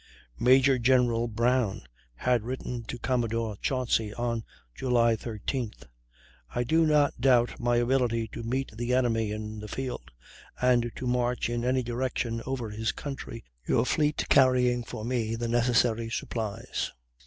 Major General Brown had written to Commodore Chauncy on July 13th: "I do not doubt my ability to meet the enemy in the field and to march in any direction over his country, your fleet carrying for me the necessary supplies.